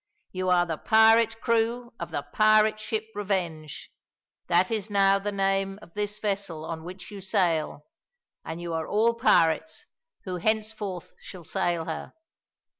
You are the pirate crew of the pirate ship Revenge. That is now the name of this vessel on which you sail, and you are all pirates, who henceforth shall sail her.